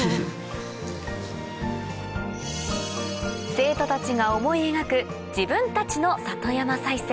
生徒たちが思い描く自分たちの里山再生